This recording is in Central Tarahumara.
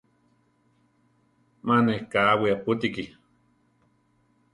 ¡Ma neʼé káwi apútiki!